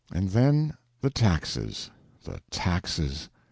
And then, the taxes, the taxes!